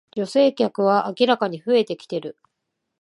女性客は明らかに増えてきてる